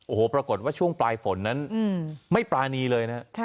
โอ้โหปรากฏว่าช่วงปลายฝนนั้นไม่ปรานีเลยนะฮะ